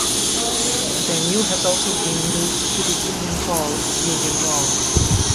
The venue has also been move to the Union Hall of Union Mall.